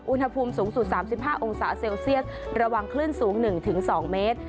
อุณหภูมิสูงสุด๓๕องศาเซลเซียสระวังคลื่นสูง๑๒เมตร